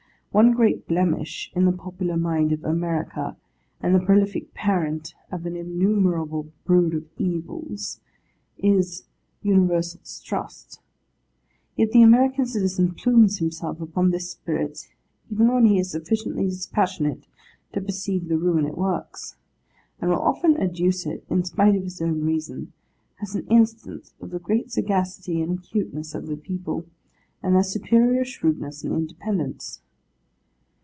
One great blemish in the popular mind of America, and the prolific parent of an innumerable brood of evils, is Universal Distrust. Yet the American citizen plumes himself upon this spirit, even when he is sufficiently dispassionate to perceive the ruin it works; and will often adduce it, in spite of his own reason, as an instance of the great sagacity and acuteness of the people, and their superior shrewdness and independence.